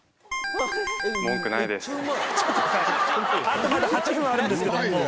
あとまだ８分あるんですけど。